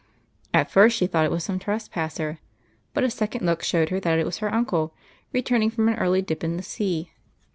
At first she thought it was some trespasser, but a second look showed her that it was her uncle returning from an early dip into the sea.